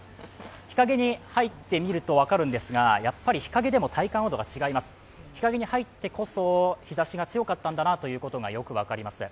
日陰に入ってみると分かるんですが、やっぱり日陰でも体感温度が違います、日陰に入ってこそ、日ざしが強かったんだなということがよく分かります。